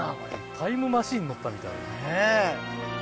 タイムマシンに乗ったみたい。ね。